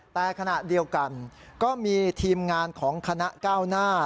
แต่ขณะเดียวกันก็มีทีมงานของคณะก้าวหน้า